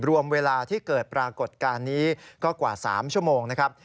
รวมเวลาที่เกิดปรากฏการณ์นี้ก็กว่า๓ชั่วโมงนะครับ